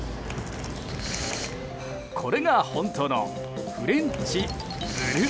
これが本当のフレンチ「ブル」